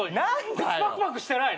口パクパクしてない？